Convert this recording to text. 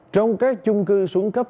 trong các chung cư xuống cấp